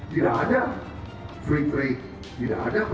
tidak ada free trade tidak ada perdagangan bebas